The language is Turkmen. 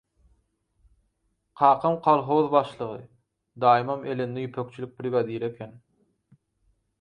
Kakam kolhoz başlygy, daýymam elinde ýüpekçilik brigadiri eken.